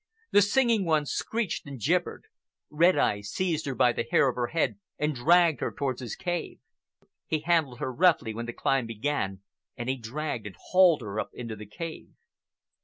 The Singing One screeched and gibbered. Red Eye seized her by the hair of her head and dragged her toward his cave. He handled her roughly when the climb began, and he dragged and hauled her up into the cave.